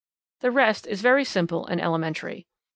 The rest is very simple and elementary.